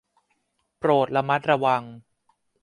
โปรดระมัดระวัง